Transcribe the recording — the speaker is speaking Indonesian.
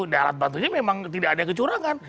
nah alat bantunya memang tidak ada kecurangan